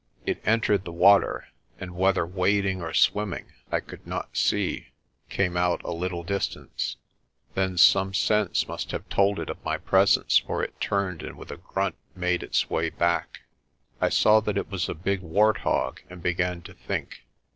It entered the water and, whether wading or swimming I could not see, came out a little distance. Then some sense must have told it of my presence, for it turned and with a grunt made its way back. I saw that it was a big wart hog, and began to think.